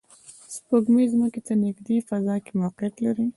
سپوږمۍ ځمکې ته نږدې فضا کې موقعیت لري